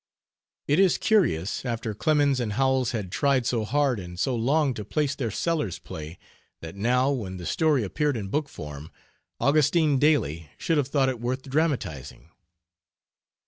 ] It is curious, after Clemens and Howells had tried so hard and so long to place their "Sellers" Play, that now, when the story appeared in book form, Augustin Daly should have thought it worth dramatizing.